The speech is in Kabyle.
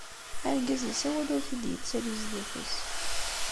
Argaz-is awal ur t-id-yettali sdat-s.